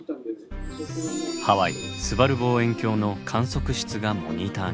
ハワイすばる望遠鏡の観測室がモニターに。